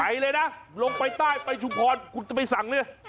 ไปเลยนะลงไปใต้ไปชุมพรคุณจะไปสั่งเลย